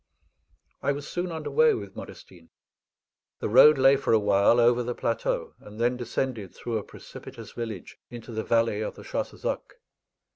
I was soon under way with Modestine. The road lay for a while over the plateau, and then descended through a precipitous village into the valley of the Chassezac.